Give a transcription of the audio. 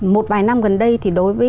một vài năm gần đây thì đối với